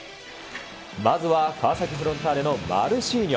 まずは川崎フロンターレのマルシーニョ。